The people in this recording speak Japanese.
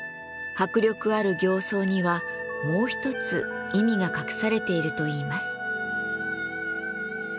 迫力ある形相にはもう一つ意味が隠されているといいます。